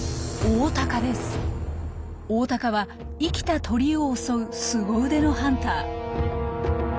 オオタカは生きた鳥を襲うスゴ腕のハンター。